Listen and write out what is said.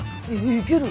行ける。